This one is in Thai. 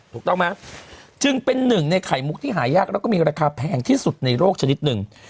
ถูกต้องไหมจึงเป็นหนึ่งในไข่มุกที่หายากแล้วก็มีราคาแพงที่สุดในโลกชนิดหนึ่ง